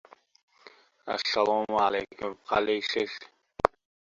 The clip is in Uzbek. Jizzaxda uy bekasi jinoyatga qo‘l urdi